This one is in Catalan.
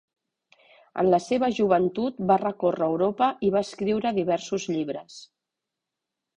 En la seva joventut va recórrer Europa i va escriure diversos llibres.